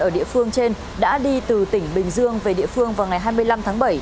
ở địa phương trên đã đi từ tỉnh bình dương về địa phương vào ngày hai mươi năm tháng bảy